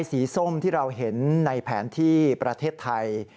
ส้มที่เราเห็นในแผนที่ประเทศไทย